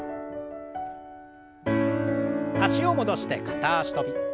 脚を戻して片脚跳び。